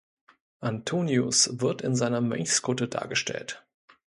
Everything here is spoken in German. Antonius wird in seiner Mönchskutte dargestellt.